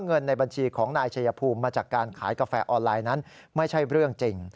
เงินในบัญชีของนายชายภูมิมาจากการขายกาแฟออนไลน์นั้นไม่ใช่เรื่องจริง